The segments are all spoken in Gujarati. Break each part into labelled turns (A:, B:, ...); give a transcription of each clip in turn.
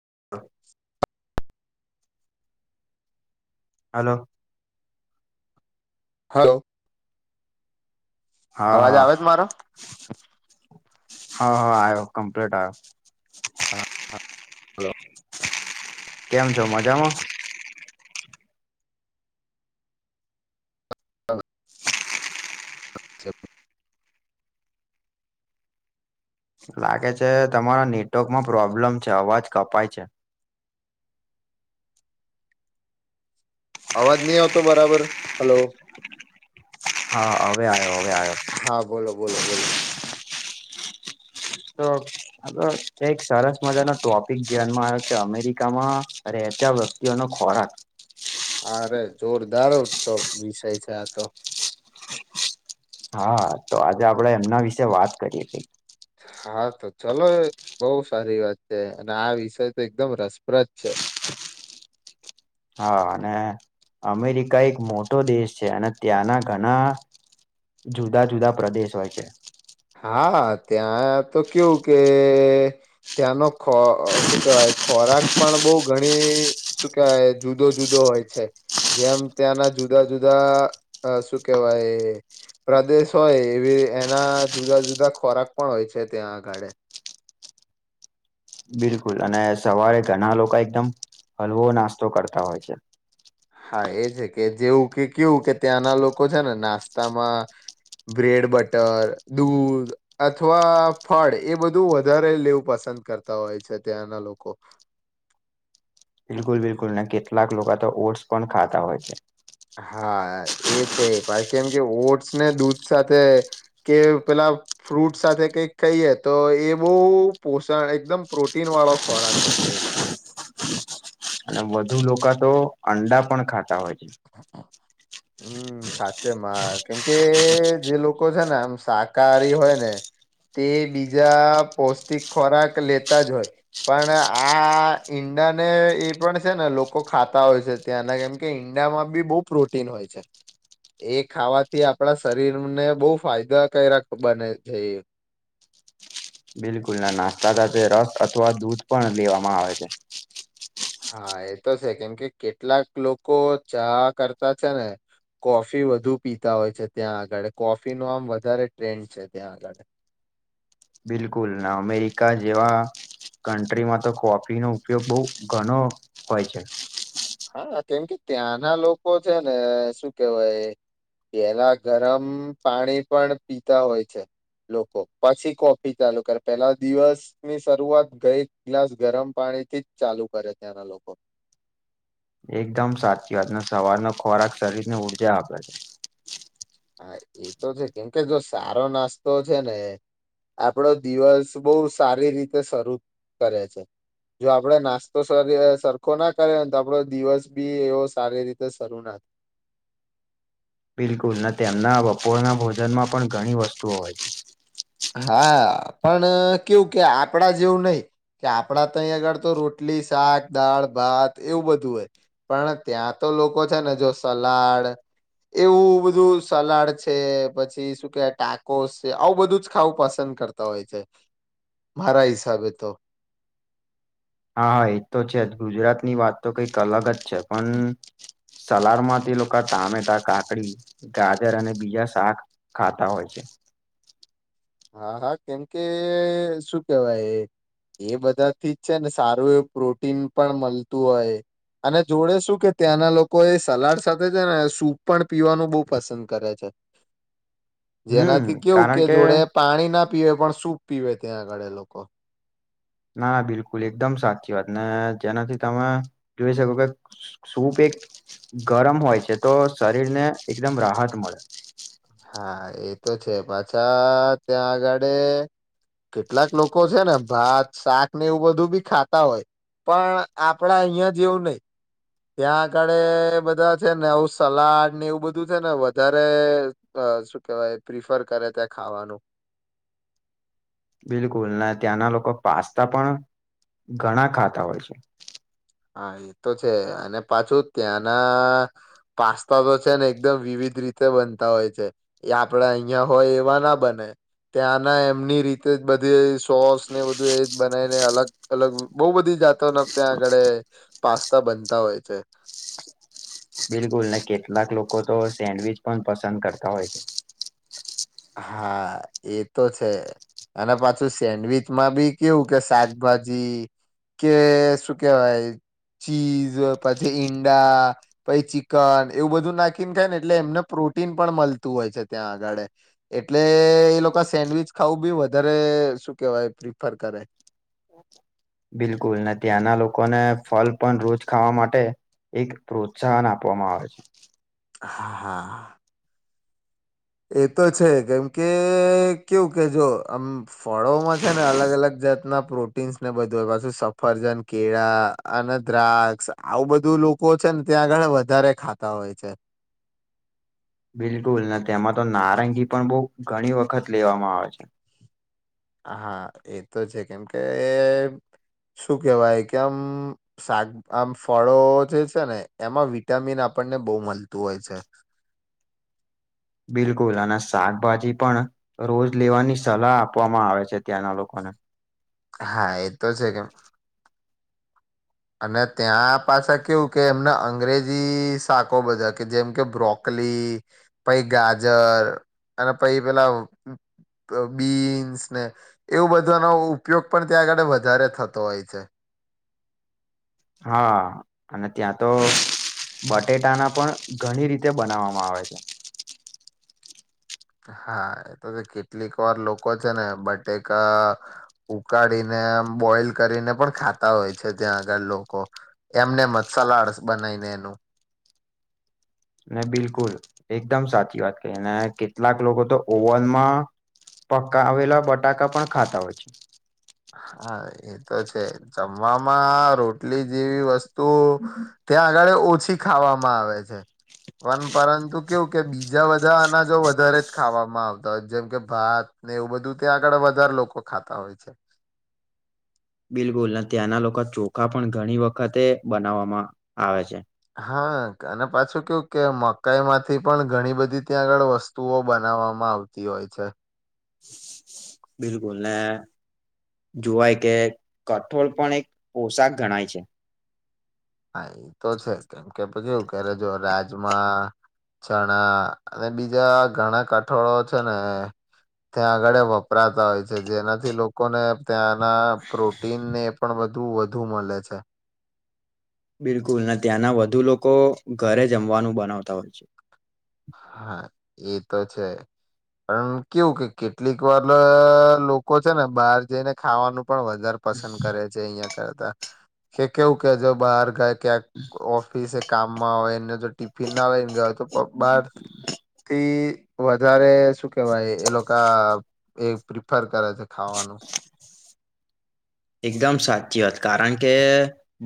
A: [inaudible] હલો.
B: હલો. અવાજ
A: હા, હા,
B: આવે જ મારો
A: હા, હા, આયો, કમ્પ્લીટ આયો.
B: હા હલો
A: કેમ છો મજામાં?
B: [inaudible]
A: લાગે છે તમારા નેટર્કમાં પ્રોબ્લેમ છે અવાજ કપાય છે. [inaudible]
B: અવાજ નઈ આવતો બરાબર, હલો.
A: હા હવે આયો
B: હા, બોલો, બોલો, બોલો.
A: તો આ તો એક સરસ મજાનો ટોપિક ધ્યાનમાં આયો છે. અમેરિકામાં રે તા વસ્તીઓનો ખોરાક
B: અરે! જોરદાર ટો વિષય છે આતો.
A: હા, તો આજે આપડે એમના વિશે વાત કરીએ કંઇ
B: હા તો ચલો, બઉ સારી વાત છે. અને આ વિષય તો એકદમ રસપ્રદ છે.
A: [inaudible] હા અને અમેરિકા એક મોટો દેશ છે અને ત્યાંના ઘના જુદા જુદા પ્રદેશ હોય છે.
B: હા ત્યાં તો કેવું કે, ત્યાંનો ખો ઓ શું કેવાય ખોરાક પણ બઉ ઘણી શું કેવાય જુદો જુદો હોય છે. જેમ ત્યાંના જુદા જુદા અ શું કેવાય પ્રદેશ હોય, એવી એના જુદા જુદા ખોરાક પણ હોય છે ત્યાં આગાળે
A: બિલકુલ, અને સવારે ઘણા લોકો એકદમ હલવો નાસ્તો કરતા હોય છે.
B: હા એ છે. કે જેવું કે કેવું કે ત્યાંના લોકો છે ને નાસ્તામાં બ્રેડ, બટર, દૂધ અથવા ફળ એ બધું વધારે લેવું પસંદ કરતા હોય છે, ત્યાંના લોકો.
A: બિલકુલ, બિલકુલ, ને કેટલાક લોકો તો ઓટ્સ પણ ખાતા હોય છે.
B: હા એ છે. કેમ કે ઓટ્સ ને દૂધ સાથે કે પેલા ફ્રૂટ સાથે કઈક કહીએ, તો એ બહું પોષણ એકદમ પ્રોટીન વાળો ખોરાક હોય છે.
A: અને વધુ લોકો તો અંડા પણ ખાતા હોય છે. [inaudible]
B: હમ્મ સાચેમાં કેમકે એ જે લોકો છે ને આમ શાકાહારી હોય ને તે બીજા પૌષ્ટિક ખોરાક લેતા જ હોય. પણ આ ઇન ઈંડા ને એ પણ છે ને લોકો ખાતા હોય છે, ત્યાંના કેમ કે ઇન ઈંડામાંબી બહુ પ્રોટીન હોય છે. એ ખાવાથી આપણા શરીરને બહુ ફાયદાકારક બને છે એ.
A: [inaudible] બિલકુલ ના નાસ્તા સાથે રસ અથવા દૂધ પણ લેવામાં આવે છે.
B: હા, એ તો છે. કેમ કે કેટલાક લોકો ચા કરતા છે ને કોફી વધુ પીતા હોય છે ત્યાં આગળ. કોફી નો આમ વધારે ટ્રેન્ડ છે ત્યાં આગળ.
A: બિલકુલ ના અમેરિકા જેવા કન્ટ્રીમાં તો કોફી નો ઉપયોગ બહુ ઘણો હોય છે.
B: હા કેમ કે ત્યાંના લોકો છે ને, શું કેવાય પેલા ગરમ પાણી પણ પીતા હોય છે. લોકો પછી કોફી ચાલુ કરે. પેલા દિવસની શરૂઆત એક ગ્લાસ ગરમ પાણી થી જ ચાલુ કરે ત્યાંના લોકો.
A: [inaudible] એકદમ સાચી વાત. ને સવારનો ખોરાક શરીરની ઊર્જા આપે છે.
B: હા એતો છે. કેમ કે જો સારો નાસ્તો છે ને આપણો દિવસ બહુ સારી રીતે શરૂ કરે છે. જો આપડે નાસ્તો સર સરખો ના કરેને, તો આપડો દિવસ બી એવો સારી રીતે શરૂ ના
A: [inaudible] બિલકુલ, ના તેમના બપોરના ભોજનમાં પણ ઘણી વસ્તુઓ હોય છે.
B: હા, પણ કેવું કે આપણા જેવું નહી કે આપણા તહીં આગળ તો રોટલી શાક દાળ ભાત એવું બધું હોય. પણ ત્યાં તો લોકો છે ને જો સલાડ એવું બધું સલાડ છે. પછી શું કેવાય ટાકોસ છે. આવું બધુંજ ખાવું પસંદ કરતા હોય છે મારા હિસાબે તો
A: હા હા એ તો છે જ ગુજરાતની વાતો કંઈક અલગ જ છે પણ સલાડમાં તે લોકો ટામેટા કાકડી ગાજર અને બીજા શાક ખાતા હોય છે [inaudible]
B: હા હા કેમ કે શું કેવાય એ બધા થી જ છે ને સારું એવું પ્રોટીન પણ મળતું હોય અને જોડે શું કે ત્યાંના લોકો એ સલાડ સાથે છે ને સૂપ પણ પીવાનું બહુ પસંદ કરે છે
A: [inaudible] હમ
B: જેનાથી કેવું
A: કારણ
B: કે જોડે પાણીના પીવે પણ સૂપ પીવે ત્યાં આગળે લોકો
A: ના ના બિલકુલ એકદમ સાચી વાત ને જેનાથી તમે જોઈ શકો કે શું કે સુપં ગરમ હોય છે તો શરીરને એકદમ રાહત મળે
B: હા એ તો છે પાછા ત્યાં આગળે કેટલાક લોકો છે ને ભાત શાક ને એવું બધું બી ખાતા હોય પણ આપડા અહિયાં જેવું નહી ત્યાં આગળે બધા છે ને આવું સલાડ ને એવું બધું છે ને વધારે અ શું કેહેવાય પ્રિફર કરે ત્યાં ખાવાનું
A: બિલકુલ ત્યાંના લોકો પાસ્તા પણ ઘણા ખાતા હોય છે
B: હા એ તો છે અને પાછું ત્યાંના પાસ્તા તો છે ને એકદમ વિવિધ રીતે બનતા હોય છે એ આપડા અહિયાં હોય એવા ના બને ત્યાંના એમની રીતે બધી સોસ ને બધું એજ બનાવીને અલગ અલગ બહુ બધી જાતોને ત્યાં આગળ પાસ્તા બનતા હોય છે
A: બિલકુલ ને કેટલાક લોકો તો સેન્ડવીચ પણ પસંદ કરતા હોય છે
B: હા એ તો છે અને પાછું સેન્ડવીચમાં બી કેવું કે શાકભાજી કે શું કેવાય ચીઝ પછી ઈંડા પછી ચિકન એવું બધું નાખીને ખાય ને એટલે એમને રૂટીન પણ મળતું હોય છે ત્યાં આગળ એટલે એ લોકો સેન્ડવીચ ખાવું બી વધારે શું કેહેવાય પ્રિફર કરે
A: બિલકુલ અને ત્યાંના લોકોને ફલ પણ રોજ ખાવા માટે એક પ્રોત્સાહન આપવામાં આવે છે
B: હા હા એ તો છે કેમ કે કેવું કે જો આમ ફળોમાં છે ને અલગ અલગ જાત ના પ્રોટીન્સ ને બધું પાછું સફરજન કેળા અને દ્રાક્ષ આવું બધું લોકો છે ને ત્યાં આગળ વધારે ખાતા હોય છે
A: [inaudible] બિલકુલ તેમાં તો નારંગી પણ બહુ ઘણી વખત લેવામાં આવે છે
B: હા એ તો છે કેમ કે એ શું કેહેવાય કે આમ શાક આમ ફળો જે છે ને એમાં વિટામિન આપ આપણને બહુ મળતું હોય છે
A: [inaudible] બિલકુલ અને શાકભાજી પણ રોજ લેવાની સલાહ આપવામાં આવે છે ત્યાંના લોકોને [inaudible]
B: હા એ તો છે કેમ અને ત્યાં પાછા કેવું કે એમને અંગ્રેજી શાકો બધા કે જેમ કે બ્રોક પ ગાજર અને પછ પેલા બીન્સ ને એવું બધાનો ઉપયોગ પણ ત્યાં આગળે વધારે થતો હોય છે
A: હા અને ત્યાં તો બટેટાના પણ ઘણી રીતે બનાવવામાં આવે છે
B: હા એ તો કેટલીક વાર લોકો છે ને બટેક ઉકાળીને બોઈલ કરીને પણ ખાતા હોય છે ત્યાં આગળ લોકો એમને મસાલા બનાવીને નું
A: ને બિલકુલ એકદમ સાચી વાત ક અને કેટલાક લોકો તો ઓવનમાં પકાવેલા બટાકા પણ ખાતા હોય છે
B: હા એતો છે જમવામાં રોટલી જેવી વસ્તુ ત્યાં આગળ ઓછી ખાવામાં આવે છે પણ પરંતુ કેવું કે બીજા બધા અનાજો વધારે જ ખાવામાં આવતા હોય જેમ કે ભાત ને એવું બધું ત્યાં આગળ વધારે લોકો ખાતા હોય છે
A: બિલકુલ અને ત્યાંના લોકો ચોખા પણ ઘણી વખતે બનાવામાં આવે છે
B: હા અને પાછું કેવું કે મકાઈ માંથી પણ ઘણી બધી ત્યાં આગળ વસ્તુઓ બના આવતી હોય છે
A: બિલકુલ ને જોવાય કે કઠોળ પણ એક પોશાક ગણાય છે
B: હા એ તો છે કેમ કે કેવું કે જો રાજમાં ચણા અને બીજા ઘણા કઠોળો છે ને ત્યાં આગળ વપરાતા હોય છે જેનાથી લોકોને ત્યાંના પ્રોટીન ને એ પણ બું વધુ મળે છે
A: બિલકુલ અને ત્યાંના વધુ લોકો ઘરે જમવાનું બનાવતા હોય છે
B: હા એ તો છે પણ કેવું કે કેટલીક વાર લોકો છે ને બહાર જઈને ખાવાનું પણ વધારે પસંદ કરે છે અહિયાં કરતા કે કેવું કે જો બહાર ગાય ક્યાંક ઓફિસ કામમાં હોય એને તો ફિના લઈને ગયો તો બહાર [inaudible]
A: હ [inaudible]
B: થી વધારે શું કેહેવાય એ લોકો એ પ્રિફર કરે છે ખાવાનું
A: [inaudible] એકદમ સાચી વાત કારણ કે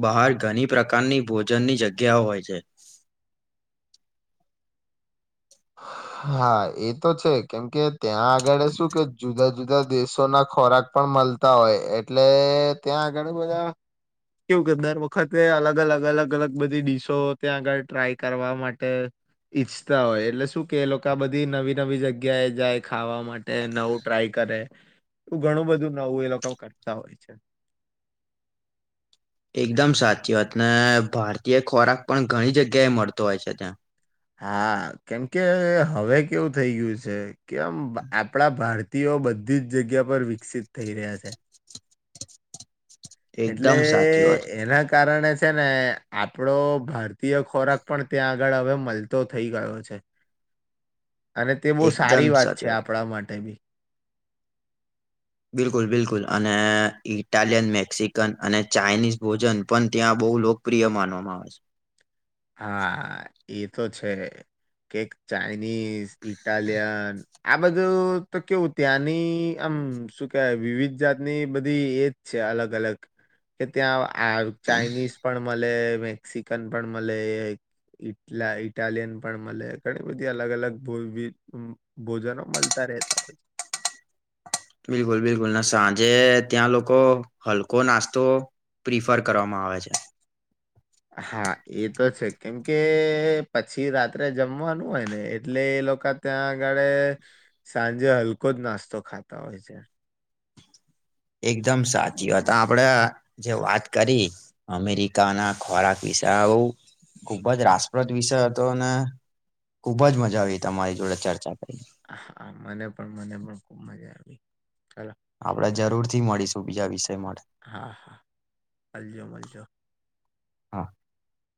A: બહાર ઘણી પ્રકારની ભોજનની જગ્યાઓ હોય છે જ [inaudible]
B: હા એ તો છે કેમ કે ત્યાં આગળ શું કે જુદા જુદા દેશો ના ખોરાક પણ મલતા હોય એટલે ત્યાં આગળ બધા કેવું કે દર વખતે અલગ અલગ અલગ અલગ બધી ડીશો ત્યાં આગળ ટ્રાય કરવા માટે ઇચ્છતા હોય એ એટલે શું કે એ લોકો આ બધી નવી નવી જગ્યા એ જાય ખાવા માટે નવું ટ્રાય કરે એવું ઘણું બધું નવું એ લોકો કરતા હોય છે
A: [inaudible] એકદમ સાચી વાત ને ભારતીય ખોરાક પણ ઘણી જગ્યાએ મળતો હોય છે ત્યાં
B: હા કેમકે હવે કેવું થઈ ગયું છે કે આમ આપડા ભારતીયો બધા બધી જ જગ્યા પર વિકસિત થઈ રહ્યા છે એટલે
A: એકદમ સાચી વાત
B: એના કારણે છે ને આપડો ભારતીય ખોરાક પણ ત્યાં આગળ હવે મલતો થઈ ગયો છે
A: [inaudible]
B: અને તે બહુ સારી
A: એકદમ
B: વાત છે
A: સાચી
B: આપણા માટે બી
A: બિલકુલ બિલકુલ અને ઇટાલિયન મેક્સિકન અને ચાઇનીઝ ભોજન પણ ત્યાં બહુ લોકપ્રિય માનવામાં આવે
B: હા એ તો છે કે ચાઈનીઝ ઇટાલયન આ બધું તો કેવું ત્યાંની આમ શું કે વિવિધ જાતની બધી એજ છે અલ અલગ કે ત્યાં આ ચાઈનીઝ પણ મળે મેક્સિકન પણ મલે ઈટલા ઇટાલિયન પણ મળે ઘણી બધી અલગ અલગ મોહિત‌ ભોજનો મળતા તા હોય છે [inaudible]
A: બિલકુલ બિલકુલ ના સાંજે ત્યાં લોકો હલકો નાસ્તો પ્રિફર કરવામાં આવે છે
B: હા એ તો છે કેમકે પછી રાત્રે જમવાનું હોય ને એટલે લોકો ત્યાં આગળૈ સાંજે હલ્કો જ નાસ્તો ખાતા હોય છે
A: એકદમ સાચી હતા આપણેે જે વાત કરી અમેરિકાના ખોરાક વિ વિ આવું ખુબ જ રાસપ્રદ વિષય હતો અને ખુબજ મજા આવી તમારી જોડે ચર્ચા કરી
B: હા મને પણ મને પણ ખુબ મજા આવી ચલો
A: આપણેે જરૂરથી મળીશું બીજા વિષય માટે
B: અલજો અલજો
A: હા